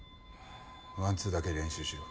ワンツーだけ練習しろ。